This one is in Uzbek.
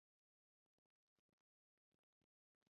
Biz ham ana shunday tejamkorlik yo‘liga tushishimiz kerak.